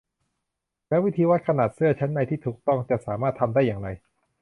แล้ววิธีวัดขนาดเสื้อชั้นในที่ถูกต้องจะสามารถทำได้อย่างไร